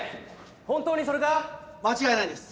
本当にそれか⁉間違いないです。